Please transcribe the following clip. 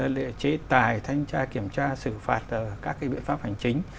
để chế tài thanh tra kiểm tra sử phạt các cái biện pháp hành chính